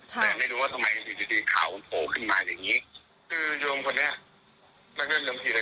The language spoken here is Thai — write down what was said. แต่ไม่รู้ว่าทำไมดีข่าวโผล่ขึ้นมาอย่างนี้